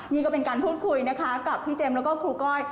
นี่ก็เป็นการพูดคุยนะคะกับพี่เจมส์แล้วก็ครูก้อย